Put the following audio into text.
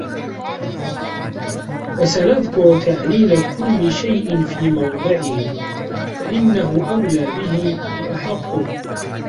وَسَنَذْكُرُ تَعْلِيلَ كُلِّ شَيْءٍ فِي مَوْضِعِهِ ، فَإِنَّهُ أَوْلَى بِهِ وَأَحَقُّ